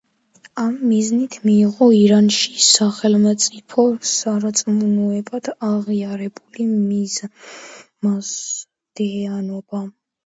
ამ მიზნით მიიღო ირანში სახელმწიფო სარწმუნოებად აღიარებული მაზდეანობა.